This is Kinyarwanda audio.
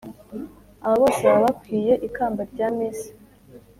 aba bose baba bakwiye ikamba ryamisi